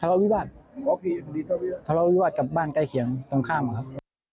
ทะเลาวิวัฒน์ทะเลาวิวัฒน์กับบ้านใกล้เขียงตรงข้ามครับ